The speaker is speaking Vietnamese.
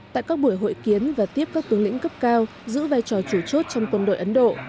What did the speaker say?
tại các buổi hội kiến và tiếp các tướng lĩnh cấp cao giữ vai trò chủ chốt trong quân đội ấn độ